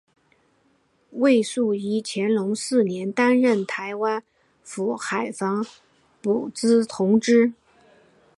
魏素于乾隆四年担任台湾府海防补盗同知。